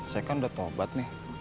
saya kan udah taubat nih